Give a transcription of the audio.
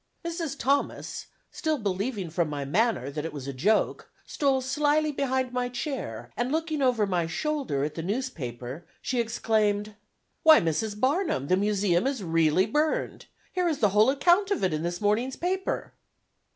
Mrs. Thomas, still believing from my manner that it was a joke, stole slyly behind my chair, and looking over my shoulder at the newspaper, she exclaimed: "Why, Mrs. Barnum, the Museum is really burned. Here is the whole account of it in this morning's paper."